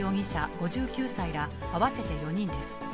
５９歳ら合わせて４人です。